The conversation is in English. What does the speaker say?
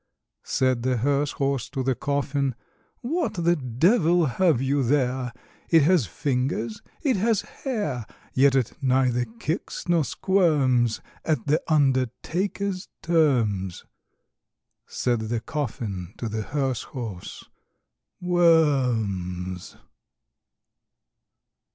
Said the hearse horse to the coffin, "What the devil have you there? It has fingers, it has hair; Yet it neither kicks nor squirms At the undertaker's terms." Said the coffin to the hearse horse, "Worms!"